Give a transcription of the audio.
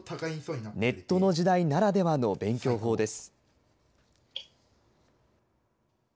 ネットの時代ならではの勉強法です。